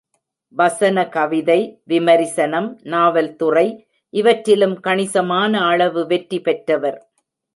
வசன கவிதை, விமரிசனம், நாவல்துறை இவற்றிலும் கணிசமான அளவு வெற்றி பெற்றவர்.